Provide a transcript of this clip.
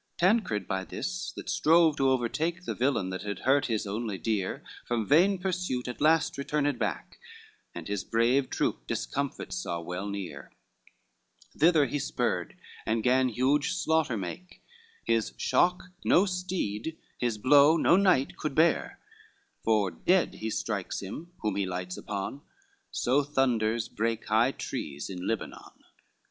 XXXVI Tancred by this, that strove to overtake The villain that had hurt his only dear, From vain pursuit at last returned back, And his brave troop discomfit saw well near, Thither he spurred, and gan huge slaughter make, His shock no steed, his blow no knight could bear, For dead he strikes him whom he lights upon, So thunders break high trees on Lebanon.